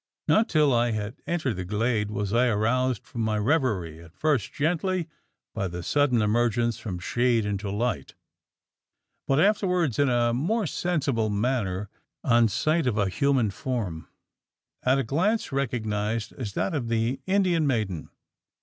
Not till I had entered the glade was I aroused from my reverie at first gently, by the sudden emergence from shade into light; but afterwards in a more sensible manner on sight of a human form at a glance recognised as that of the Indian maiden.